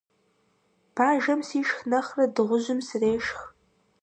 Бажэм сишх нэхърэ дыгъужьым срешх.